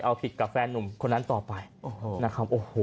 เอาผิดกับแฟนนุ่มคนนั้นต่อไปนะครับโอ้โห